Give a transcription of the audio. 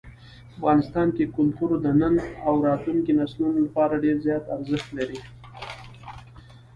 افغانستان کې کلتور د نن او راتلونکي نسلونو لپاره ډېر زیات ارزښت لري.